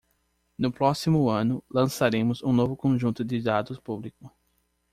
No próximo ano, lançaremos um novo conjunto de dados público.